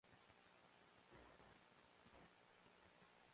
Físicamente son delgados y ágiles, de tez clara, ojos claros y pelo rubio.